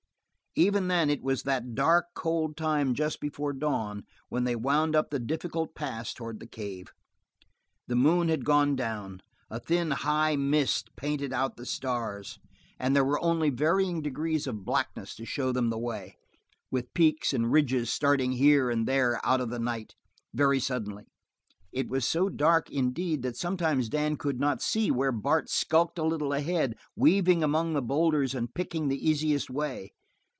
Even then it was that dark, cold time just before dawn when they wound up the difficult pass toward the cave. The moon had gone down; a thin, high mist painted out the stars; and there were only varying degrees of blackness to show them the way, with peaks and ridges starting here and there out of the night, very suddenly. It was so dark, indeed, that sometimes Dan could not see where Bart skulked a little ahead, weaving among the boulders and picking the easiest way.